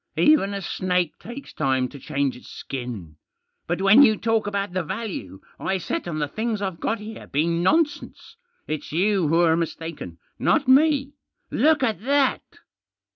Even a snake takes time to change its skin. But when you talk about the value I set on the things I've got here being nonsense, it's you who're mistaken, not me. Look at that